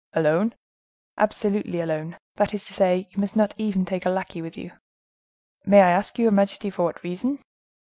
"Alone?" "Absolutely alone. That is to say, you must not even take a lackey with you." "May I ask your majesty for what reason?"